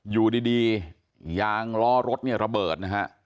อยู่ดียางล้อรถระเบิด